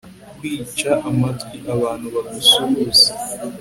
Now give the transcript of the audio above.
kwica amatwi abantu bagusuhuza